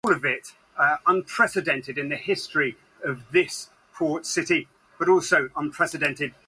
Alternately, many in the Odinist community know her as the "Folk Mother".